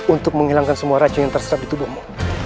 untuk menghilangkan semua racun yang tersesat di tubuhmu